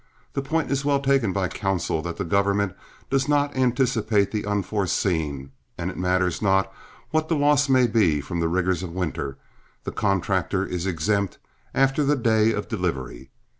The point is well taken by counsel that the government does not anticipate the unforeseen, and it matters not what the loss may be from the rigors of winter, the contractor is exempt after the day of delivery.